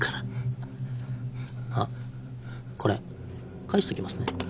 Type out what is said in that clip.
あっこれ返しときますね。